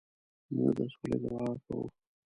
موږ د سولې دعا کوو.